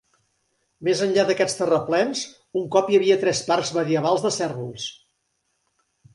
Més enllà d'aquests terraplens, un cop hi havia tres parcs medievals de cérvols.